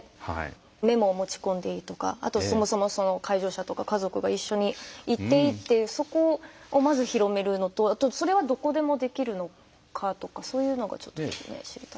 メモを持ち込んでいいとかあとそもそもその介助者とか家族が一緒に行っていいっていうそこをまず広めるのとあとそれはどこでもできるのかとかそういうのがちょっとね知りたい。